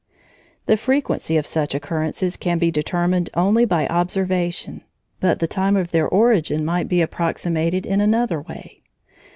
The frequency of such occurrences can be determined only by observation; but the time of their origin might be approximated in another way.